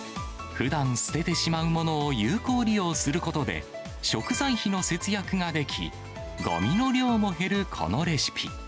ふだん捨ててしまうものを有効利用することで、食材費の節約ができ、ごみの量も減るこのレシピ。